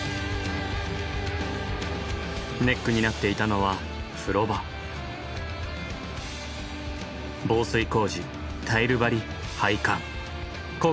ネックになっていたのは防水工事タイル張り配管。